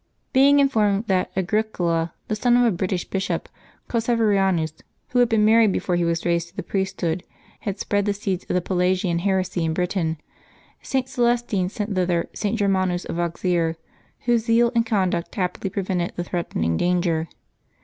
Being informed that Agricola, the son of a British bishop called Saverianus, who had been married before he was raised to the priesthood, had spread the seeds of the Pelagian heresy in Britain, St. Celestine sent thither St. Germanus of Auxerre, whose zeal and conduct happily prevented the threatening danger.